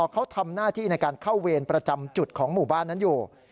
เขาทำหน้าที่ในการเข้าเวรประจำจุดของหมู่บ้านนั้นอยู่